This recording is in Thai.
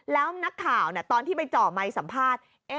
แล้วนักข่าวตอนที่ไปเจาะไมค์สัมภาษณ์